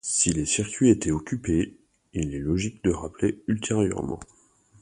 Si les circuits étaient occupés, il est logique de rappeler ultérieurement.